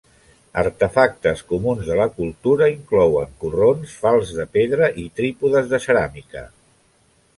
Artefactes comuns de la cultura inclouen corrons, falçs de pedra i trípodes de ceràmica.